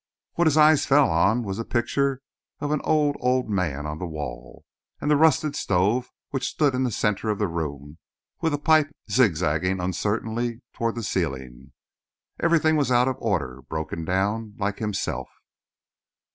What his eyes fell on was a picture of an old, old man on the wall, and the rusted stove which stood in the center of the room with a pipe zigzagging uncertainly toward the ceiling. Everything was out of order, broken down like himself.